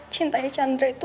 cintanya chandra itu